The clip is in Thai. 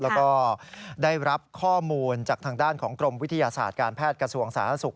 แล้วก็ได้รับข้อมูลจากทางด้านของกรมวิทยาศาสตร์การแพทย์กระทรวงสาธารณสุข